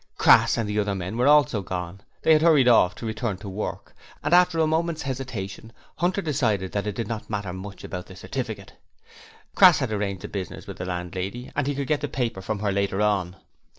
Crass and the other men were also gone; they had hurried off to return to work, and after a moment's hesitation Hunter decided that it did not matter much about the certificate. Crass had arranged the business with the landlady and he could get the paper from her later on.